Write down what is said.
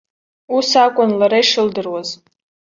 Ус акәын лара ишылдыруаз.